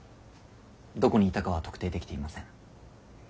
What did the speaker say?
どこにいたかは特定できていません。